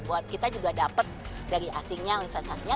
buat kita juga dapat dari asingnya investasinya